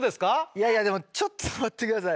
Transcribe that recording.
いやいやでもちょっと待って下さい。